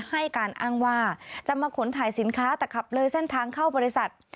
ให้การอ้างว่าจะมาขนถ่ายสินค้าแต่ขับเลยเส้นทางเข้าบริษัท